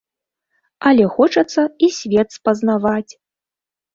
Але хочацца і свет спазнаваць.